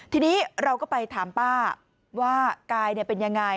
ทีนี้เราก็ไปถามป้าว่ากายเป็นยังไง